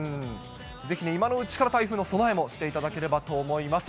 ぜひね、今のうちから台風の備えもしていただければと思います。